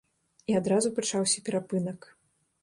І адразу пачаўся перапынак.